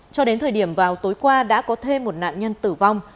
cho đến thời điểm vào tối qua đã có thêm một nạn nhân tử vong